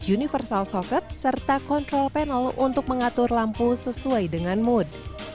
universal soccep serta kontrol panel untuk mengatur lampu sesuai dengan mood